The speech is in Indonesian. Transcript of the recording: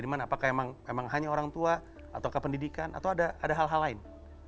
apakah memang hanya orang tua atau kependidikan atau ada hal hal lain